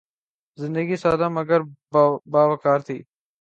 زندگی سادہ مگر باوقار تھی